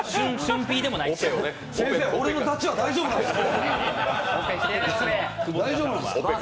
先生、俺のダチは大丈夫なんすか！？